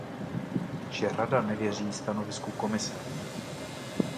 Že Rada nevěří stanovisku Komise.